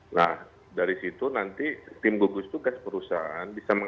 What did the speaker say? nah dari situ nanti tim gugus tugas perusahaan bisa